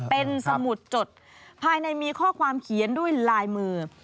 เป็นสมุดจดภายในมีข้อความเขียนด้วยลายมือ